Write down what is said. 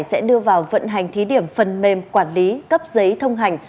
sẽ đưa vào vận hành thí điểm phần mềm quản lý cấp giấy thông hành